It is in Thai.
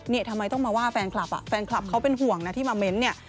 ทำไมต้องมาว่าแฟนคลับอ่ะแฟนคลับเขาเป็นห่วงนะที่มาเม้นต์เนี่ย